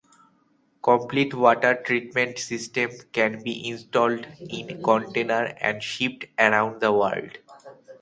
Complete water treatment systems can be installed in containers and shipped around the world.